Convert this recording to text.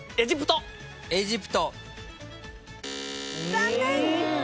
残念！